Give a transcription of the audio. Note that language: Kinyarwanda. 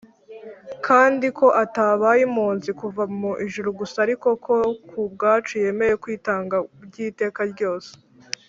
kandi ko atabaye impunzi kuva mu ijuru gusa, ariko ko ku bwacu yemeye kwitanga by’iteka ryose.